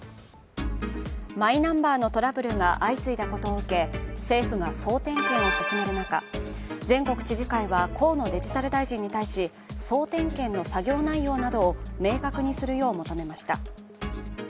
マイナンバーのトラブルが相次いだことを受け政府が総点検を進める中、全国知事会は河野デジタル大臣に対し総点検の作業内容などを明確にするよう求めました。